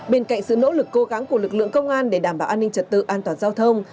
bên cạnh sự nỗ lực cố gắng của lực lượng công an để đảm bảo an ninh trật tự an toàn giao thông